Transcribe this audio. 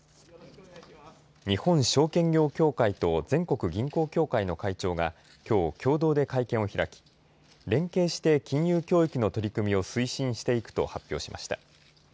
日本証券業協会と全国銀行協会の会長がきょう共同で会見を開き連携して金融教育の取り組みを推進していくと発表しました。